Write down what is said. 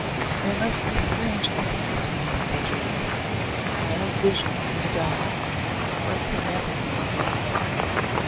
There must be strange ecstasies in such a life wild visions in the dark, or it could never be endured.